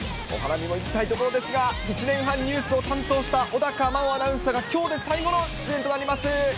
お花見に行きたいところですが、１年半ニュースを担当した小高茉緒アナウンサーがきょうで最後の出演となります。